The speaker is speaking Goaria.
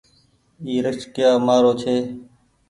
اي رڪسييآ مآرو ڇي